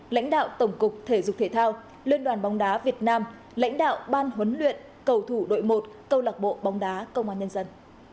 lãnh đạo tổng cục thể dục thể thao liên đoàn bóng đá việt nam lãnh đạo ban huấn luyện cầu thủ đội một câu lạc bộ bóng đá công an nhân dân